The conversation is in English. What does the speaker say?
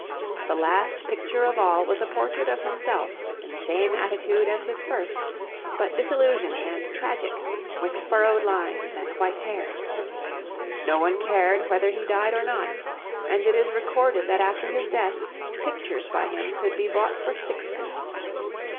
The last picture of all was a portrait of himself, in the same attitude as his first, but disillusioned and tragic, with furrowed lines and white hair. No one cared whether he died or not, and it is recorded that after his death pictures by him could be bought for sixpence.